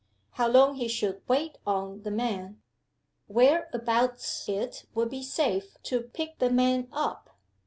How long he should "wait on" the man? Whereabouts it would be safe to "pick the man up?"